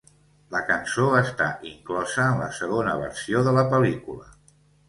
La cançó està inclosa en la segona versió de la pel·lícula.